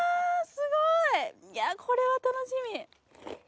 すごいいやこれは楽しみ。